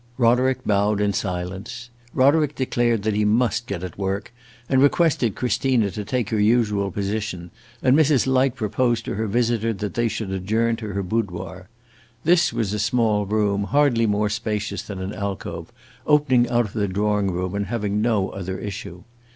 Rowland bowed in silence. Roderick declared that he must get at work and requested Christina to take her usual position, and Mrs. Light proposed to her visitor that they should adjourn to her boudoir. This was a small room, hardly more spacious than an alcove, opening out of the drawing room and having no other issue.